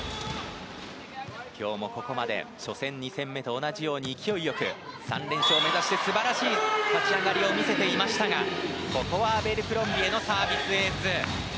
今日もここまで初戦、２戦目と同じように勢い良く３連勝を目指して素晴らしい立ち上がりを見せていましたがここはアベルクロンビエのサービスエース。